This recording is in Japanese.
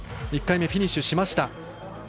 １回目フィニッシュしました。